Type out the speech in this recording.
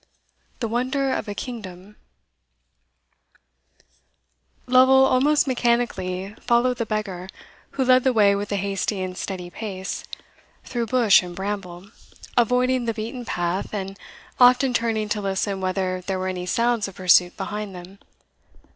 The Wonder of a Kingdome. Lovel almost mechanically followed the beggar, who led the way with a hasty and steady pace, through bush and bramble, avoiding the beaten path, and often turning to listen whether there were any sounds of pursuit behind them.